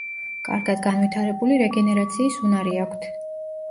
კარგად განვითარებული რეგენერაციის უნარი აქვთ.